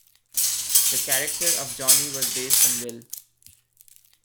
The character of Johnny was based on Will.